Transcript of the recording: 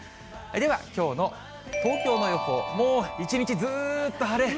では、きょうの東京の予報、もう一日ずっと晴れ。